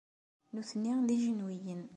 Nutni, d ijenwiyen.